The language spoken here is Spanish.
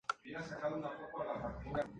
Brácteas oblanceoladas.